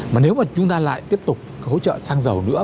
mà nếu mà chúng ta lại tiếp tục hỗ trợ xăng dầu nữa